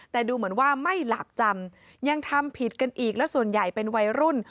แต่ดูเหมือนว่าไม่หลาบจำยังทำผิดกันอีกและส่วนใหญ่เป็นวัยรุ่น